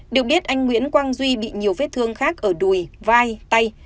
được biết anh nguyễn quang duy bị nhiều vết thương khác ở đùi vai tay